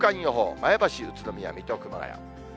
前橋、宇都宮、水戸、熊谷。